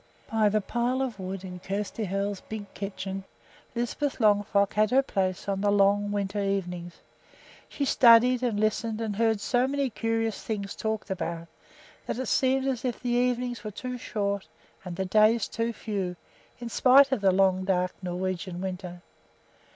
By the pile of wood in Kjersti Hoel's big kitchen Lisbeth Longfrock had her place on the long winter evenings. She studied and listened, and heard so many curious things talked about that it seemed as if the evenings were too short and the days too few, in spite of the long, dark Norwegian winter.